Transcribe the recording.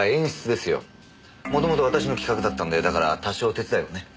元々私の企画だったんでだから多少手伝いをね。